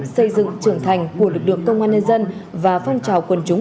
xây dựng trưởng thành của lực lượng công an nhân dân và phong trào quần chúng